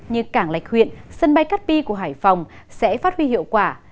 như cảng lạch huyện sân bay cát bi của hải phòng sẽ phát huy hiệu quả